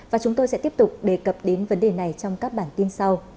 và chúng tôi sẽ tiếp tục đề cập đến vấn đề này trong các bản tin sau